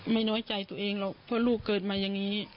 น้อยใจตัวเองหรอกเพราะลูกเกิดมาอย่างนี้